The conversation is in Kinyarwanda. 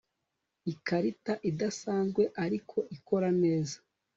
ikarita idasanzwe ariko ikora neza